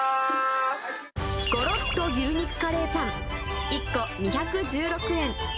ごろっと牛肉カレーパン１個２１６円。